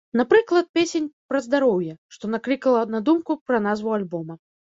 Напрыклад, песень пра здароўе, што наклікала на думку пра назву альбома.